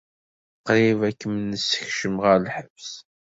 Qrib ad kem-nessekcem ɣer lḥebs.